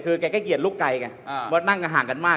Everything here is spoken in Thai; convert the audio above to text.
คือแกก็เกลียดลูกไกลไงเพราะนั่งห่างกันมาก